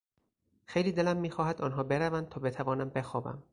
خیلی دلم میخواهد آنها بروند تا بتوانم بخوابم.